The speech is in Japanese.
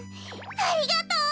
ありがとう！